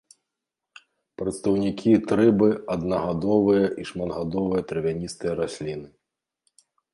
Прадстаўнікі трыбы аднагадовыя і шматгадовыя травяністыя расліны.